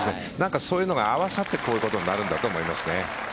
そういうのが合わさってこういうことになると思うんです。